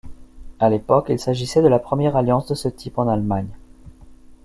À l'époque, il s'agissait de la première alliance de ce type en Allemagne.